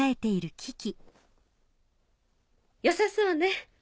よさそうね。